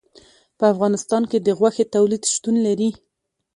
په افغانستان کې د غوښې تولید شتون لري.